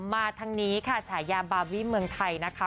มาทางนี้ค่ะฉายาบาร์บี้เมืองไทยนะคะ